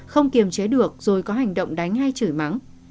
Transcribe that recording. không kiềm chế được rồi có hành động đánh hay chửi mắng